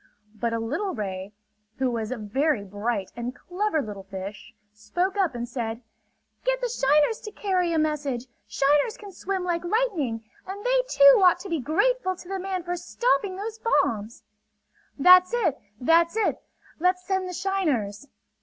But a little ray, who was a very bright and clever little fish, spoke up and said: "Get the shiners to carry a message! Shiners can swim like lightning; and they too ought to be grateful to the man for stopping those bombs!" "That's it! That's it! Let's send the shiners!"